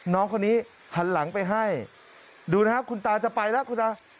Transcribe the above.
น้องคนนี้หันหลังไปให้ดูนะครับคุณตาจะไปแล้วคุณตา